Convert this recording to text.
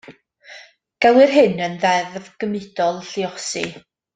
Gelwir hyn yn ddeddf gymudol lluosi.